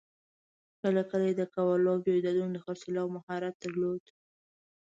کله کله یې د قوالو او جایدادونو د خرڅلاوو مهارت درلود.